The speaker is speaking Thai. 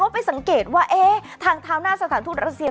ไปสังเกตว่าทางเท้าหน้าสถานทูตรัสเซีย